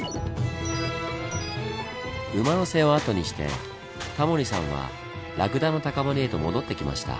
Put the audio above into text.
「馬の背」を後にしてタモリさんはラクダの高まりへと戻ってきました。